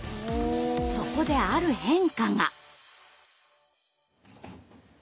そこである変化が。